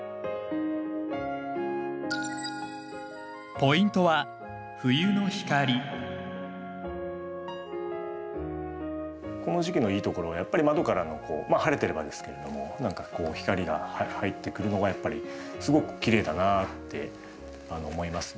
ポイントはこの時期のいいところはやっぱり窓からのまあ晴れてればですけれども何かこう光が入ってくるのがやっぱりすごくきれいだなって思いますね。